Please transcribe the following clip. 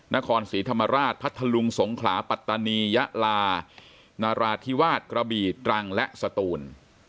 นครศรีธรรมราชพัทธลุงสงขลาปัตตานียะลานราธิวาสกระบีตรังและสตูน